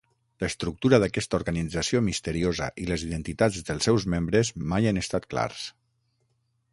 L'estructura d'aquesta organització misteriosa i les identitats dels seus membres mai han estat clars.